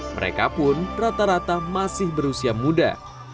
mereka pun rata rata masih berusia muda